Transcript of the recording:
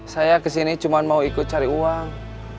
saya kesini cuma mau ikut cari uang